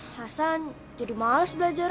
hasan jadi males belajar